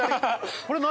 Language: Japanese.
これ何？